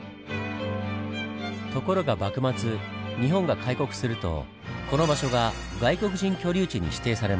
ところが幕末日本が開国するとこの場所が外国人居留地に指定されます。